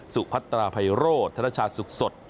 สุพัตราไพโรธนชาสุขสด